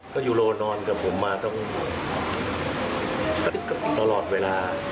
ก็ยูโรนอนกับผมมาตั้งตลอดเวลา